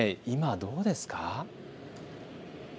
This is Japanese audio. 今はどうですか。